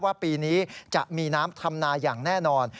ว่าปีนี้จะมีน้ำธรรมนาอย่างแน่นอน